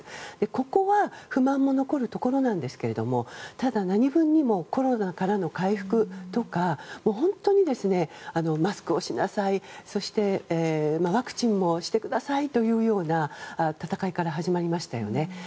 ここは不満も残るところなんですがただ、何分にもコロナからの回復とか本当に、マスクをしなさいそしてワクチンもしてくださいというような戦いから始まりましたよね。